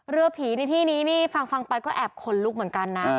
เรือผีในที่นี้นี่ฟังไปก็แอบขนลุกเหมือนกันนะ